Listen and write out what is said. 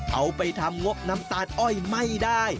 เอาไปทำงบน้ำตาลอ้อยไม่ได้